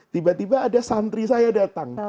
tiba tiba ada santri saya datang